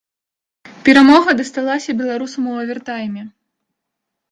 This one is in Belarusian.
Перамога дасталася беларусам у авертайме.